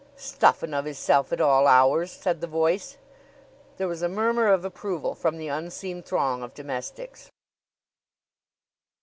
"Stuffin' of 'isself at all hours!" said the voice. There was a murmur of approval from the unseen throng of domestics.